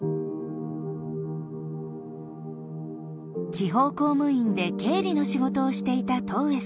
地方公務員で経理の仕事をしていた戸上さん。